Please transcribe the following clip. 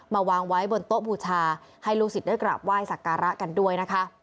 วางไว้บนโต๊ะบูชาให้ลูกศิษย์ได้กราบไหว้สักการะกันด้วยนะคะ